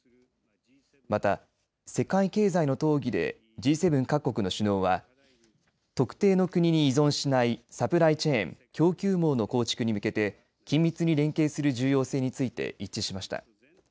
また、世界経済の討議でＧ７各国の首脳は特定の国に依存しないサプライチェーン供給網の構築に向けて緊密に連携する重要性について一致しました。